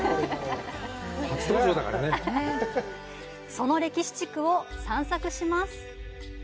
その歴史地区を散策します。